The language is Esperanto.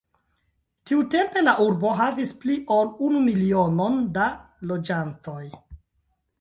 Tiutempe la urbo havis pli ol unu milionon da loĝantoj.